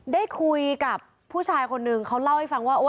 ได้คุยกับผู้ชายคนนึงเขาเล่าให้ฟังว่า